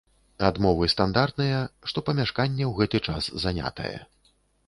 Адмовы стандартныя, што памяшканне ў гэты час занятае.